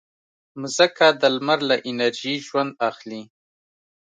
مځکه د لمر له انرژي ژوند اخلي.